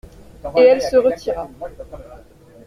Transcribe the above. Et elle se retira.